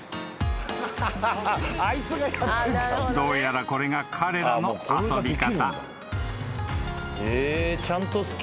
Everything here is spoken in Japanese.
［どうやらこれが彼らの遊び方］